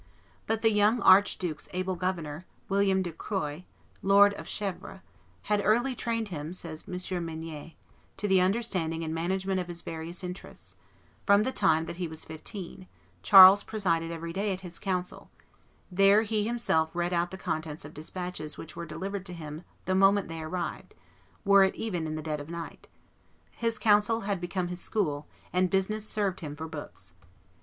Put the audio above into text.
But the young archduke's able governor, William de Croy, Lord of Chievres, "had early trained him," says M. Mignet, "to the understanding and management of his various interests; from the time that he was fifteen, Charles presided every day at his council; there he himself read out the contents of despatches which were delivered to him the moment they arrived, were it even in the dead of night; his council had become his school, and business served him for books.